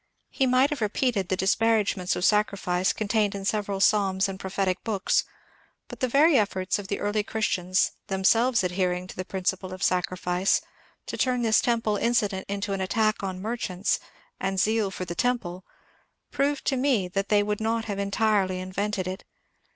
He might have repeated the disparagements of sacrifice contained in several psalms and prophetic books ; but the very efforts of the early Christians, themselves adhering to the principle of sacrifice, to turn this temple incident into an attack on merchants and zeal for the temple, proved to me that they would not have entirely invented it.